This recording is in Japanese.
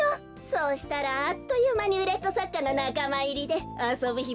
そうしたらあっというまにうれっこさっかのなかまいりであそぶひまもなくなるわね。